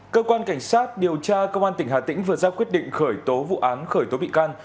cơ quan cảnh sát điều tra công an tỉnh hà tĩnh vừa ra quyết định khởi tố vụ án khởi tố bị can